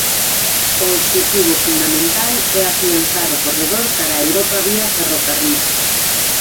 O obxectivo fundamental é afianzar o corredor cara a Europa vía ferrocarril.